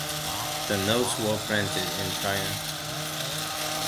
The notes were printed in China.